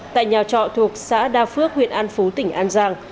tại nhà trọ thuộc xã đa phước huyện an phú tỉnh an giang